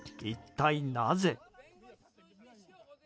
一体なぜ？